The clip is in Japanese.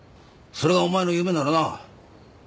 それがお前の夢ならな。